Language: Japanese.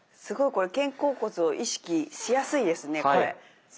すごいこれ肩甲骨を意識しやすいですねこれ。